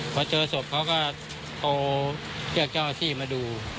พอเจอศพเค้าก็โทรเชือกเจ้าอาทิตย์มาดู